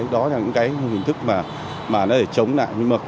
đó là những hình thức để chống nãi huy mực